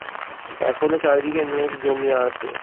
এখনও চারিদিকে মেঘ জমিয়া আছে।